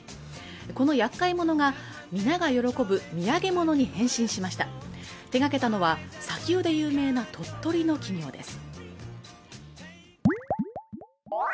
この厄介者が皆が喜ぶ土産物に変身しました手がけたのは砂丘で有名な鳥取の企業です